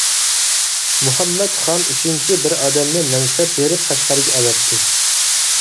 مۇھەممەت خان ئۈچىنچى بىر ئادەمنى مەنسەپ بېرىپ قەشقەرگە ئەۋەتتى.